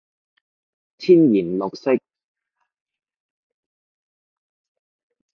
天然綠色